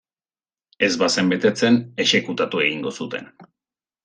Ez bazen betetzen, exekutatu egingo zuten.